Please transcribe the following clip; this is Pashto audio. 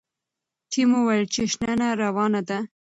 ټیم وویل چې شننه روانه ده.